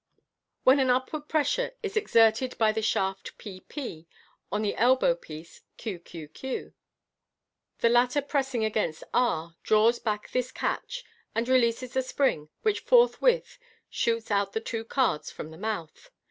When an upward pressure is exerted by the shaft p p on the elbow piece q q q, the latter pressing against r draws back this catch, and releases the spring, which forthwith shoots out the two cards from the mouth.